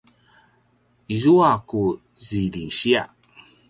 izua ku zidinsiya